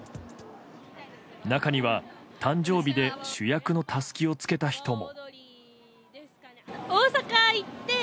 中には、誕生日で「主役」のたすきを着けた人も。